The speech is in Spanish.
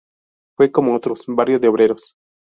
Fue, como otros, barrio de obreros.